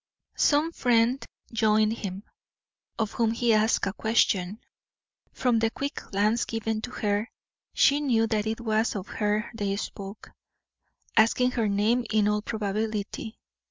Some friend joined him, of whom he asked a question. From the quick glance given to her, she knew that it was of her they spoke asking her name in all probability.